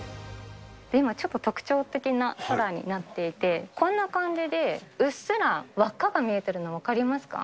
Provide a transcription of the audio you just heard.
ではちょっと特徴的な空になっていて、こんな感じで、うっすら輪っかが見えているのが分かりますか。